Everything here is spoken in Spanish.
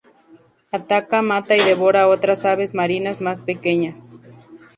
Ataca, mata y devora a otras aves marinas más pequeñas.